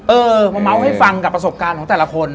เออมาเมาส์ให้ฟังกับประสบการณ์ของแต่ละคน